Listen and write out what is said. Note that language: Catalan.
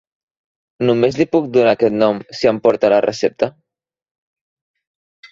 Només li puc donar aquest nom si em porta la recepta?